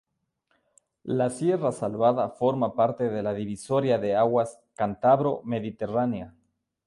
La Sierra Salvada forma parte de la divisoria de aguas cantabro-mediterránea.